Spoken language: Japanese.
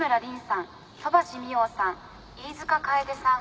飯塚楓さん。